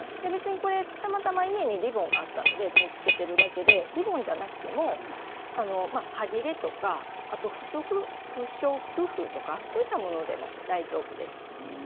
たまたま家にリボンがあったので縫い付けているだけでリボンじゃなくても、はぎれとか不織布とかそういったものでも大丈夫です。